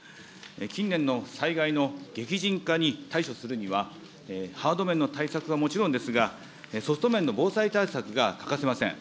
近年の災害の激甚化に対処するには、ハード面の対策はもちろんですが、ソフト面の防災対策が欠かせません。